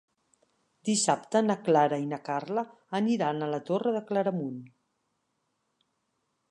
Dissabte na Clara i na Carla aniran a la Torre de Claramunt.